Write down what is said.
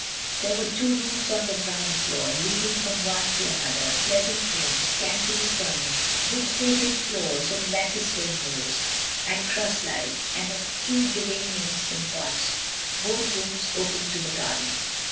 There were two rooms on the ground floor, leading from one to another — pleasant rooms, scantily furnished, with slated floors and lattice windows and cross lights, and a few geraniums in pots; both rooms opened to the garden.